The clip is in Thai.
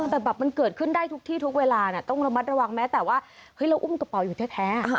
แต่แบบมันเกิดขึ้นได้ทุกที่ทุกเวลาต้องระมัดระวังแม้แต่ว่าเฮ้ยเราอุ้มกระเป๋าอยู่แท้